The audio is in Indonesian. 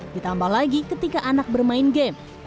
ditambah lagi ketika anak bermain game